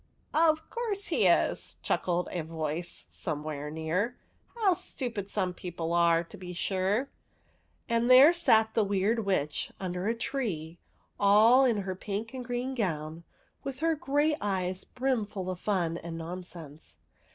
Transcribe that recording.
*' Of course he is !" chuckled a voice some where near. '' How stupid some people are, to be sure !" And there sat the Weird Witch under a tree, all in her pink and green gown, with her great eyes brimful of fun and non sense.